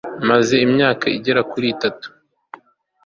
maze imyaka igera kuri itatu